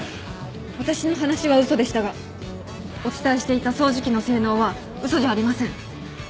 私の話は嘘でしたがお伝えしていた掃除機の性能は嘘じゃありません。